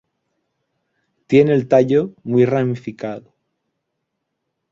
Tiene el tallo muy ramificado.